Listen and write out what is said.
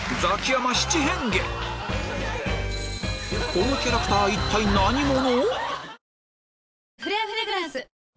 このキャラクター一体何者？